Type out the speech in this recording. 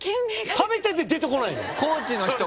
食べてて出てこないの？